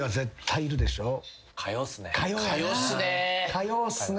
火曜っすね。